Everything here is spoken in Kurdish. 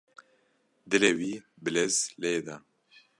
Dilê wî bi lez lê da.